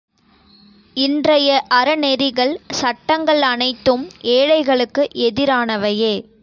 இன்றைய அறநெறிகள் சட்டங்கள் அனைத்தும் ஏழைகளுக்கு எதிரானவையே.